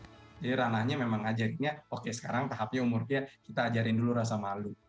jadi ranahnya memang ajarinnya oke sekarang tahapnya umurnya kita ajarin dulu rasa malu